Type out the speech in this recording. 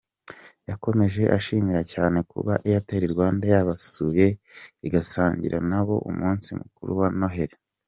Yakomeje ashimira cyane kuba Airtel Rwanda yabasuye igasangira nabo umunsi mukuru wa Noheli.